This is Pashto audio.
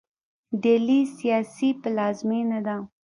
ډیلي سیاسي پلازمینه ده.